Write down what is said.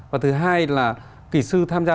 và thứ hai là kỹ sư tham gia